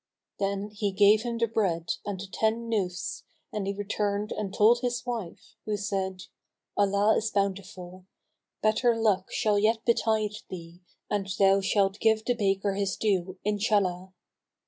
Then he gave him the bread and the ten Nusfs and he returned and told his wife, who said, "Allah is bountiful. Better luck shall yet betide thee and thou shalt give the baker his due, Inshallah."